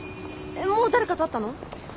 もう誰かと会ったの？